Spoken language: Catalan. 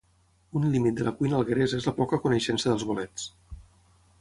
Un límit de la cuina algueresa és la poca coneixença dels bolets